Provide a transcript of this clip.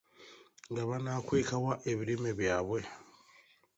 Nga banaakweka wa ebirime byabwe?